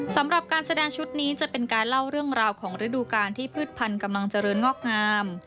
สำหรับการแสดงชุดนี้จะเป็นการเล่าเรื่องราวของฤดูการที่พืชพันธุ์กำลังเจริญงอกงาม